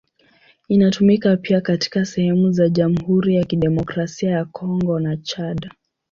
Inatumika pia katika sehemu za Jamhuri ya Kidemokrasia ya Kongo na Chad.